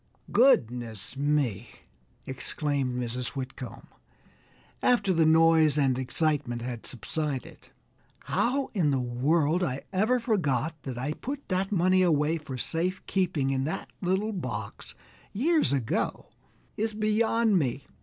"Goodness me!" exclaimed Mrs. Whitcomb, after the noise and excitement had subsided, "how in the world I ever forgot that I put that money away for safe keeping in that little box years ago is beyond me.